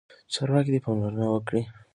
چارواکي دې پاملرنه وکړي.